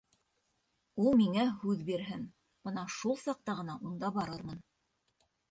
Ул миңә һүҙ бирһен, бына шул саҡта ғына унда барырмын.